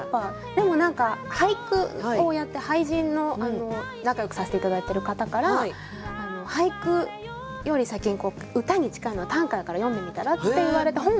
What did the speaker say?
でも何か俳句をやって俳人の仲よくさせて頂いてる方から俳句より先に歌に近いのは短歌だから読んでみたら？って言われて本を。